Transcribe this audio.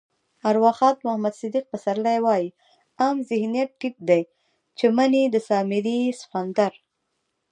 ارواښاد محمد صدیق پسرلی وایي: عام ذهنيت ټيټ دی چې مني د سامري سخوندر.